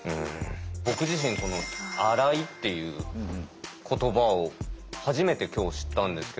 僕自身この「アライ」っていう言葉を初めて今日知ったんですけれども。